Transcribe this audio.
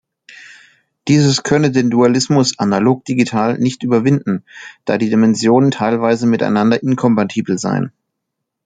Dieses könne den Dualismus analog-digital nicht überwinden, da die Dimensionen teilweise miteinander inkompatibel seien.